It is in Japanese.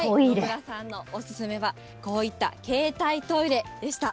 野村さんのお勧めは、こういった携帯トイレでした。